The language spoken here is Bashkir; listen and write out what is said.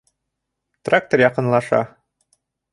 Трактор яҡынлаша.